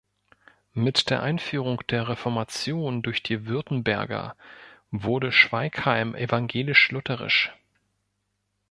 Mit der Einführung der Reformation durch die Württemberger wurde Schwaikheim evangelisch-lutherisch.